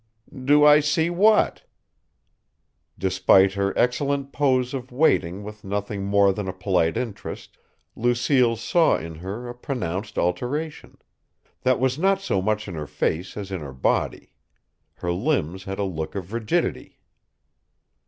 "Do I see what?" Despite her excellent pose of waiting with nothing more than a polite interest, Lucille saw in her a pronounced alteration. That was not so much in her face as in her body. Her limbs had a look of rigidity.